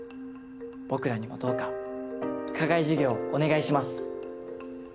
僕らにもどうか課外授業をお願いします。